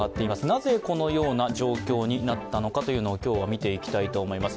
なぜこのような状況になったのかというのを今日は見ていきたいと思います。